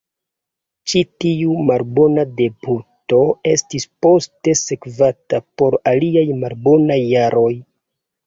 Ĉi tiu malbona debuto estis poste sekvata por aliaj malbonaj jaroj.